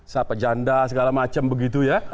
siapa janda segala macam begitu ya